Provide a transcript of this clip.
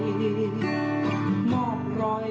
เมียครับนี้ไง